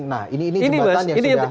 nah ini jembatan yang sudah